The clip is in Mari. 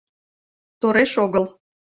— Тореш огыл.